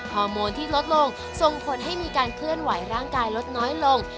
โมนที่ลดลงส่งผลให้มีการเคลื่อนไหวร่างกายลดน้อยลง